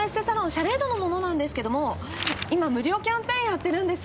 「シャレード」の者なんですけども今無料キャンペーンやってるんです。